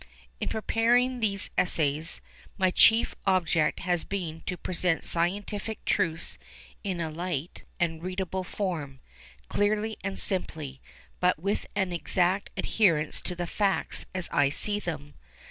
_ In preparing these Essays, my chief object has been to present scientific truths in a light and readable form—clearly and simply, but with an exact adherence to the facts as I see them.